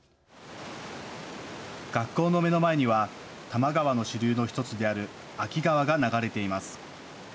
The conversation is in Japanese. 学校の目の前には多摩川の支流の１つである秋川が流れています。